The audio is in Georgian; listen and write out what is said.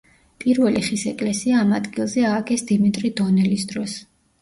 პირველი ხის ეკლესია ამ ადგილზე ააგეს დიმიტრი დონელის დროს.